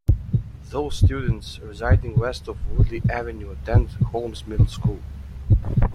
Those students residing west of Woodley Avenue attend Holmes Middle School.